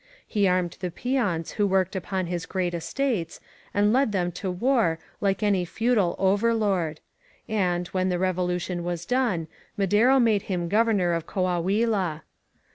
He armed the peons who worked upon his great estates, and led them to war like any feudal overlord ; and, when the Revolution was done, Madero made him Governor of Coahuila.